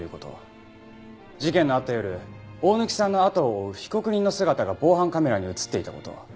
事件のあった夜大貫さんの後を追う被告人の姿が防犯カメラに映っていた事。